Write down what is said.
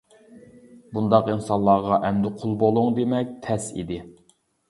بۇنداق ئىنسانلارغا ئەمدى قۇل بولۇڭ دېمەك تەس ئىدى.